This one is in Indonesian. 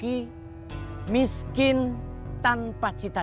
bang zahar lalu menjadi kuat